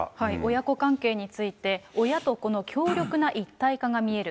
親子関係について、親と子の強力な一体化が見える。